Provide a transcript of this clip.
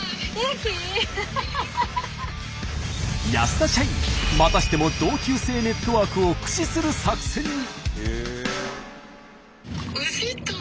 安田社員またしても同級生ネットワークを駆使する作戦に。